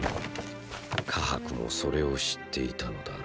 カハクもそれを知っていたのだろう。